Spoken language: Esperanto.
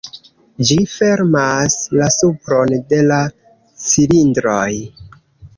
Ĝi fermas la supron de la cilindroj.